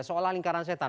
seolah lingkaran setan